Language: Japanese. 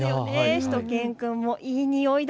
しゅと犬くんもいいにおいだ